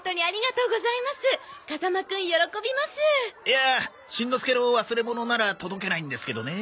いやしんのすけの忘れ物なら届けないんですけどね。